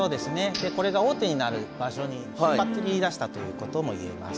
でこれが王手になる場所に引っ張り出したということも言えます。